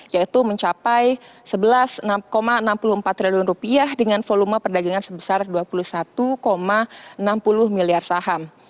yaitu mencapai rp sebelas enam puluh empat triliun rupiah dengan volume perdagangan sebesar dua puluh satu enam puluh miliar saham